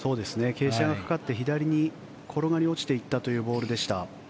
傾斜がかかって左に転がり落ちていったというボールでした。